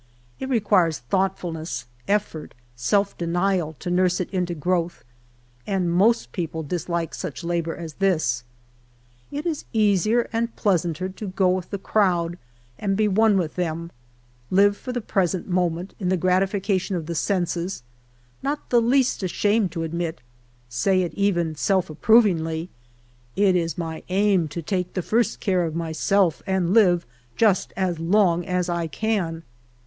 It requires thoughtfulness, effort, self denial, to nurse it into growth, and most people dislike such labor as this. It is easier and pleasanter to go with the crowd, and be one with them ; live for the present moment, in the gratification of the senses, not the least ashamed to admit — say it even self approving ly, "It is my aim to take the first care of myself, and live just as long as I can."